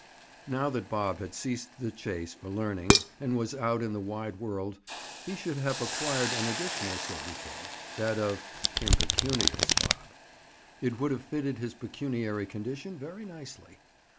Now that Bob had ceased the chase for learning and was out in the wide world, he should have acquired an additional sobriquet—that of "Impecunious Bob." It would have fitted his pecuniary condition very nicely.